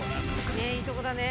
ねいいとこだね。